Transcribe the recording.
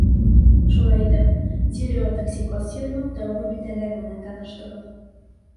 Шулай итеп, тиреотоксикоз сиренең тәүге билдәләре менән таныштығыҙ.